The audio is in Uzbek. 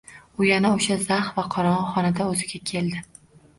U yana o’sha zax va qorong’i xonada o’ziga keldi.